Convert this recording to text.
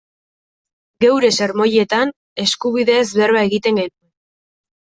Geure sermoietan eskubideez berba egiten genuen.